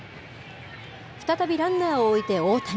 再びランナーを置いて大谷。